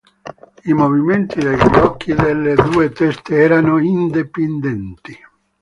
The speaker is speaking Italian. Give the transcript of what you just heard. I movimenti degli occhi delle due teste erano indipendenti.